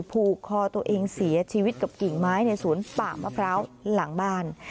ผูกคอตัวเองเสียชีวิตกับกิ่งไม้ในสวนป่ามะพร้าวหลังบ้าน